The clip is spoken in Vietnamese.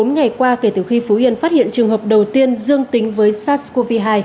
bốn ngày qua kể từ khi phú yên phát hiện trường hợp đầu tiên dương tính với sars cov hai